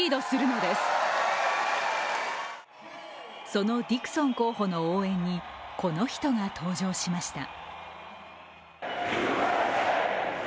そのディクソン候補の応援に、この人が登場しました。